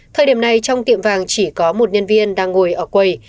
thời điểm này trong tiệm vàng chỉ có một nhân viên đang ngồi ở quầy